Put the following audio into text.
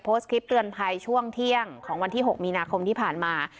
โพสต์คลิปเตือนภัยช่วงเที่ยงของวันที่๖มีนาคมที่ผ่านมา